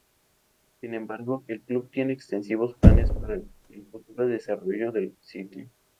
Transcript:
Sin embargo, el club tiene extensivos planes para el futuro desarrollo del sitio.